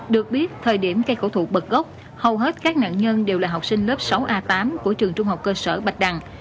được biết thời điểm cây cổ thụ bật gốc hầu hết các nạn nhân đều là học sinh lớp sáu a tám của trường trung học cơ sở bạch đằng